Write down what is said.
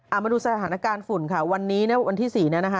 เอามาดูสถานการณ์ฝุ่นค่ะวันนี้วันที่๔